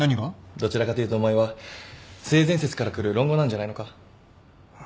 どちらかというとお前は性善説からくる論語なんじゃないのか？